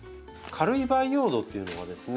軽い培養土というのはですね